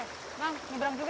nah menyeberang juga ya